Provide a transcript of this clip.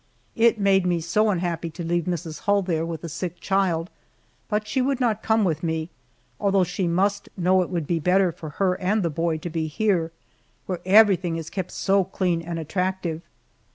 It made me so unhappy to leave Mrs. Hull there with a sick child, but she would not come with me, although she must know it would be better for her and the boy to be here, where everything is kept so clean and attractive.